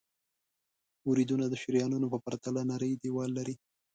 وریدونه د شریانونو په پرتله نری دیوال لري.